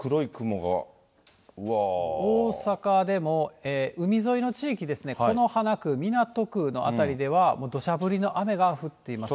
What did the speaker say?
大阪でも海沿いの地域ですね、此花区、港区の辺りでは、もうどしゃ降りの雨が降っていますね。